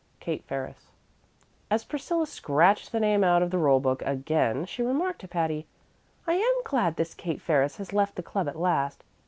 KATE FERRIS. As Priscilla scratched the name out of the roll book again she remarked to Patty: "I am glad this Kate Ferris has left the club at last.